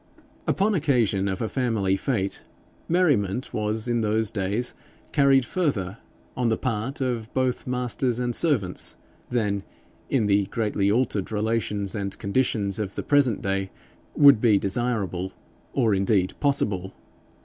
Upon occasion of a family fete, merriment was in those days carried further, on the part of both masters and servants, than in the greatly altered relations and conditions of the present day would be desirable, or, indeed, possible.